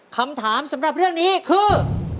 คำถามสำหรับเรื่องนี้คือ